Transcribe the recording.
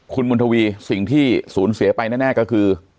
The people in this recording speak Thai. คุณบุญทวีสิ่งที่สูญเสียไปแน่ก็คือ